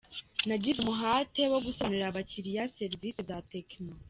Nagize umuhate wo gusobanurira abakiriya serivisi za Tecno.